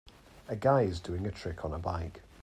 A guy is doing a trick on a bike.